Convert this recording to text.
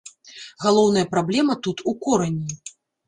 Галоўная праблема тут у корані.